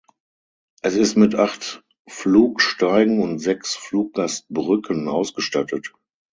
Es ist mit acht Flugsteigen und sechs Fluggastbrücken ausgestattet.